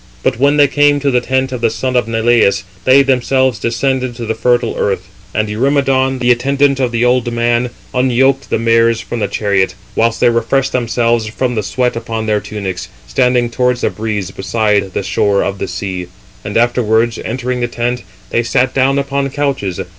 But when they came to the tent of the son of Neleus, they themselves descended to the fertile earth, and Eurymedon, the attendant of the old man, unyoked the mares from the chariot; whilst they refreshed themselves from the sweat upon their tunics, 380 standing towards the breeze beside the shore of the sea, and afterwards, entering the tent, they sat down upon couches.